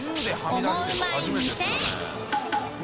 オモウマい